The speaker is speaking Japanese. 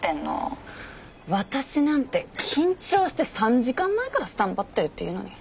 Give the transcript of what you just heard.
私なんて緊張して３時間前からスタンバってるっていうのに。